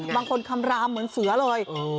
บางคนคำรามเหมือนเสือเลย